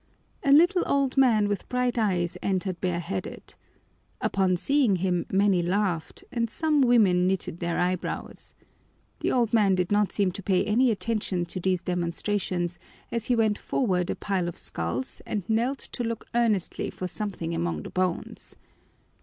A little old man with bright eyes entered bareheaded. Upon seeing him many laughed, and some women knitted their eyebrows. The old man did not seem to pay any attention to these demonstrations as he went toward a pile of skulls and knelt to look earnestly for something among the bones.